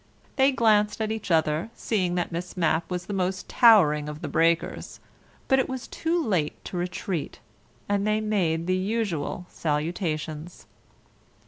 They glanced at each other, seeing that Miss Mapp was the most towering of the breakers, but it was too late to retreat, and they made the usual salutations.